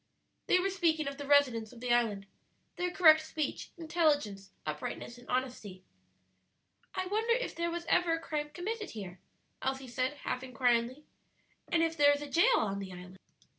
They were speaking of the residents of the island their correct speech, intelligence, uprightness, and honesty. "I wonder if there was ever a crime committed here?" Elsie said, half inquiringly. "And if there is a jail on the island?"